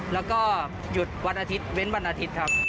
แล้วก็หยุดวันอาทิตย์เว้นวันอาทิตย์ครับ